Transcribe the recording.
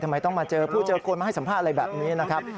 ทำไมต้องมาเจอผู้เจอคนมาให้สัมภาษณ์อะไรแบบนี้นะครับ